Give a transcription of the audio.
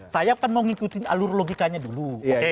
saya kan mau ngikutin alur logikanya dulu